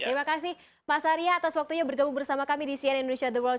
terima kasih mas arya atas waktunya bergabung bersama kami di cnn indonesia the world